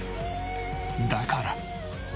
だから。